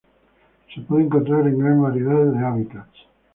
Se puede encontrar en gran variedad de hábitats.